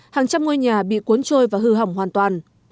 hàng trăm ngôi nhà bị cuốn trôi và hư hỏng hoàn toàn